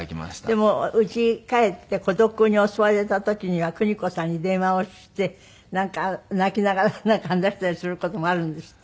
でも家帰って孤独に襲われた時には邦子さんに電話をしてなんか泣きながら話したりする事もあるんですって？